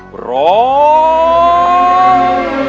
พร้อม